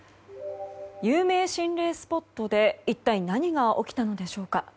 有名心霊スポットで一体何が起きたのでしょうか。